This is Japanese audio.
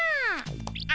あ。